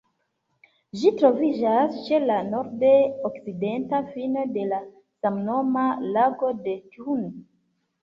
Ĝi troviĝas ĉe la nord-okcidenta fino de la samnoma Lago de Thun.